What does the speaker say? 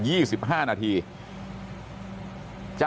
ครับคุณสาวทราบไหมครับ